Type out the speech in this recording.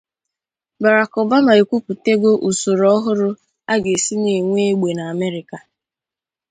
Barack Obama ekwuputego usoro ohuru a ga-esi na-enwe egbe n'Amerika